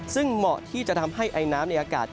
ซึ่งเหมาะที่จะทำให้ไอน้ำในอากาศ